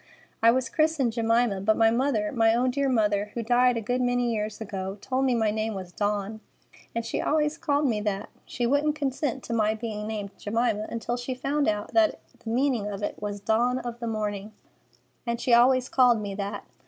"I was christened Jemima, but my mother, my own dear mother, who died a good many years ago, told me my name was Dawn, and she always called me that. She wouldn't consent to my being named Jemima until she found out that the meaning of it was 'Dawn of the Morning,' and she always called me that.